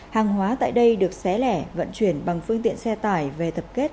hàng hóa tại đây được xé lẻ vận chuyển bằng phương tiện xe tải về tập kết